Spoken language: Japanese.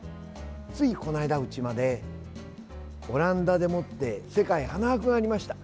ついこの間うちまでオランダでもって世界花博がありました。